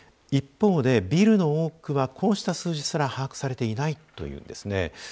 一方でビルの多くはこうした数字すら把握されていないというんですね。